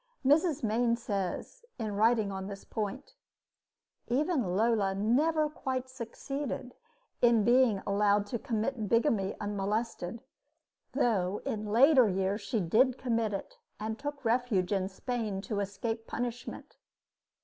Mrs. Mayne says, in writing on this point: Even Lola never quite succeeded in being allowed to commit bigamy unmolested, though in later years she did commit it and took refuge in Spain to escape punishment.